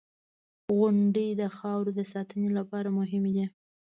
• غونډۍ د خاورو د ساتنې لپاره مهمې دي.